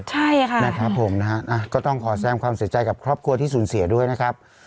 ใช่ค่ะนะครับผมนะฮะก็ต้องขอแซมความเสียใจกับครอบครัวที่สูญเสียด้วยนะครับ